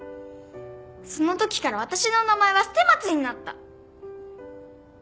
その時から私の名前は「捨松」になった。